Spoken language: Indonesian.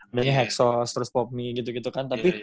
akhirnya hexos terus popmi gitu gitu kan tapi